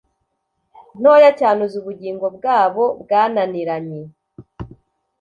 Ntoya cyane Uzi ubugingo bwabo bwananiranye